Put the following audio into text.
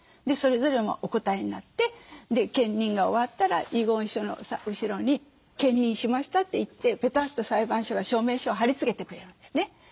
でそれぞれもお答えになって検認が終わったら遺言書の後ろに検認しましたといってぺたっと裁判所が証明書を貼り付けてくれるんですね。